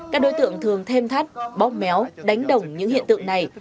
các đối tượng thường thêm thắt bóp méo đánh đồng những hiện tượng này